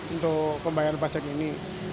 untuk pembayaran pajak ini